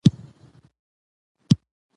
مېله د خلکو د کلتوري هویت ښکارندويي کوي.